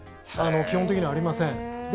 基本的にはありません。